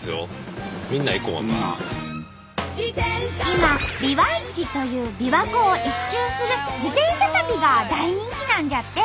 今「ビワイチ」というびわ湖を一周する自転車旅が大人気なんじゃって！